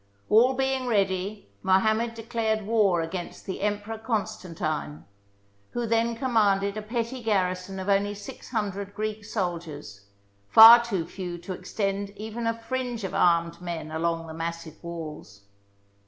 All being ready, Mohammed declared war against the Emperor Constantine, who then commanded a petty garrison of only six hundred Greek soldiers, far too few to extend even a fringe of armed men along the massive walls.